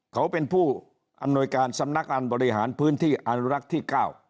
เขาเป็นผู้อำนวยการสำนักการบริหารพื้นที่อนุรักษ์ที่๙